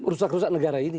rusak rusak negara ini